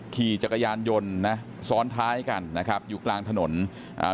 ขี่จักรยานยนต์นะซ้อนท้ายกันนะครับอยู่กลางถนนอ่า